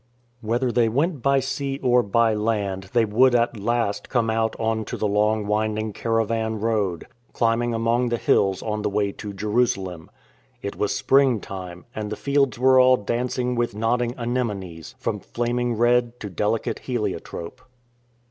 Whether they went by sea or by land they would at last come out on to the long winding caravan road, climbing among the hills on the way to Jerusalem. It was spring time, and the fields were all dancing with nodding anemones, from flaming red to delicate helio trope.